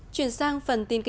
chuyển sang phần tin ký